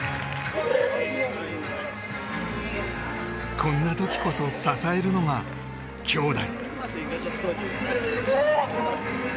こんな時こそ支えるのが兄妹。